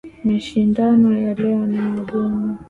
Mashindano ya leo ni magumu.